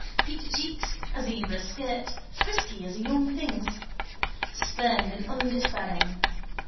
Peachy cheeks, a zebra skirt, frisky as a young thing's. Spurned and undespairing.